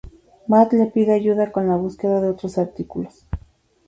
Matt le pide ayuda con la búsqueda de otros artículos.